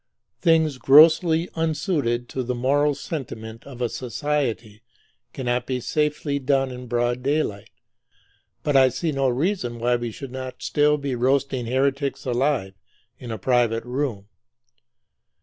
Things grossly unsuited to the moral sentiment of a society cannot be safely done in broad daylight; but I see no reason why we should not still be roasting heretics alive, in a private room.